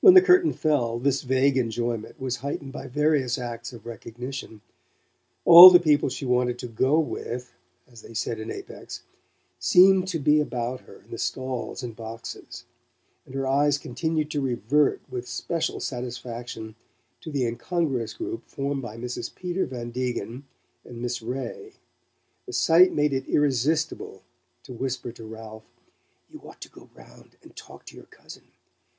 When the curtain fell this vague enjoyment was heightened by various acts of recognition. All the people she wanted to "go with," as they said in Apex, seemed to be about her in the stalls and boxes; and her eyes continued to revert with special satisfaction to the incongruous group formed by Mrs. Peter Van Degen and Miss Ray. The sight made it irresistible to whisper to Ralph: "You ought to go round and talk to your cousin.